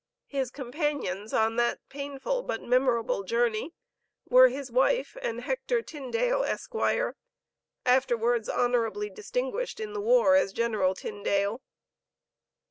His companions on that painful but memorable journey, were his wife, and Hector Tyndale, Esq., afterwards honorably distinguished in the war as General Tyndale.